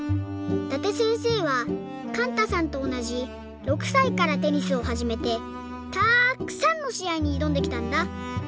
伊達せんせいはかんたさんとおなじ６さいからテニスをはじめてたっくさんのしあいにいどんできたんだ。